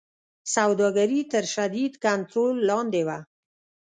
سوداګري تر شدید کنټرول لاندې وه.